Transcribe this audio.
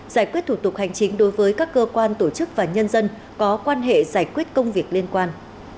giải quyết thủ tục hành chính đối với các cơ quan tổ chức và nhân dân có quan hệ giải quyết công việc liên quan